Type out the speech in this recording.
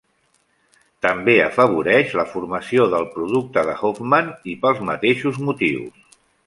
També afavoreix la formació del producte de Hofmann, i pels mateixos motius.